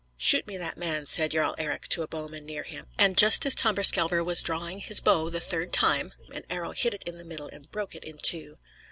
"Shoot me that man," said Jarl Eric to a bowman near him; and, just as Tamberskelver was drawing his bow the third time, an arrow hit it in the middle and broke it in two.